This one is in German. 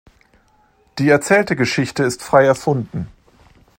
Die erzählte Geschichte ist frei erfunden.